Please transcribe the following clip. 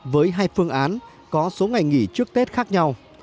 với hai phương án có số ngày nghỉ trước tết khác nhau